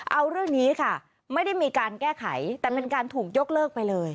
เอาเรื่องนี้ค่ะไม่ได้มีการแก้ไขแต่เป็นการถูกยกเลิกไปเลย